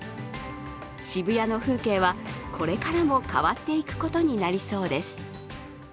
渋谷の風景はこれからも変わっていくことになりそうです。